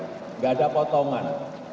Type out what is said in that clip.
enggak ada potongan